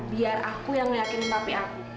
biar aku yang ngelakinin papi aku